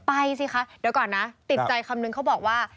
สิคะเดี๋ยวก่อนนะติดใจคำนึงเขาบอกว่า